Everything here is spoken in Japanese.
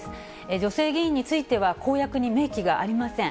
女性議員については、公約に明記がありません。